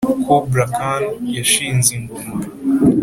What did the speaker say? kublai khan yashinze ingoma